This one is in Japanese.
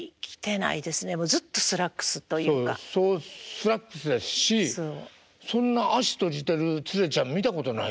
スラックスですしそんな脚閉じてるツレちゃん見たことないです。